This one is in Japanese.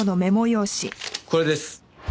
これです。